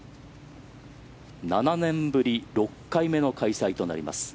７年ぶり６回目の開催となります。